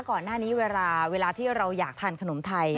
ก่อนหน้านี้เวลาที่เราอยากทานขนมไทย